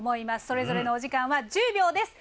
それぞれのお時間は１０秒です。